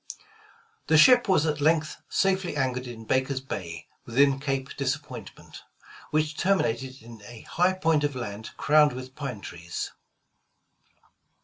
The ship was at length safely anchored in Baker *s Bay, within Cape Disappointment, which terminated in a high point of land crowned with pine trees.